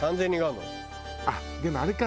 あっでもあれか。